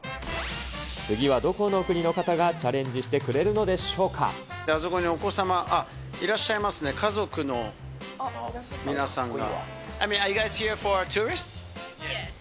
次はどこの国の方がチャレンあそこにお子様、いらっしゃいますね、家族の皆さんが。